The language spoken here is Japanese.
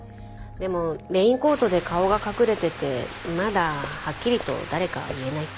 でもレインコートで顔が隠れててまだはっきりと誰かは言えないって。